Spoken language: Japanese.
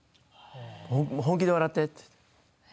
本気で笑ってって。